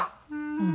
うん。